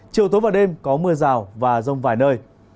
chiều tối và đêm có mưa rào và rông vài nơi